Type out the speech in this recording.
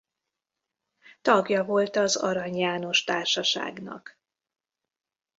Tagja volt az Arany János Társaságnak.